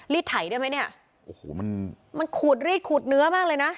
ไถได้ไหมเนี่ยโอ้โหมันมันขูดรีดขูดเนื้อมากเลยนะ